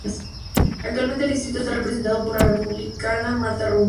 Actualmente el distrito está representado por la Republicana Martha Roby.